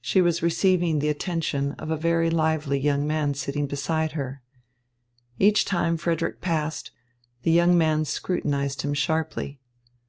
She was receiving the attention of a very lively young man sitting beside her. Each time Frederick passed, the young man scrutinised him sharply.